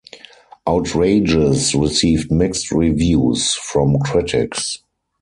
"Outrageous" received mixed reviews from critics.